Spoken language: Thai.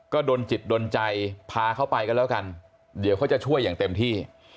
ก็ดนจิตดนใจพาเขาไปกันแล้วกันเดี๋ยวเขาจะช่วยอย่างเต็มที่